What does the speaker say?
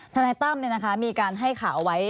ธนายตั้มเนี่ยนะคะมีการให้ข่าวไว้